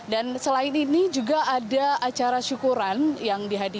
dan selain ini juga ada acara syukuran yang dihadiri